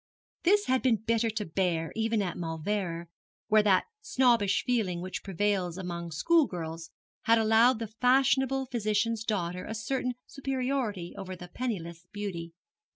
This had been bitter to bear even at Mauleverer, where that snobbish feeling which prevails among schoolgirls had allowed the fashionable physician's daughter a certain superiority over the penniless beauty.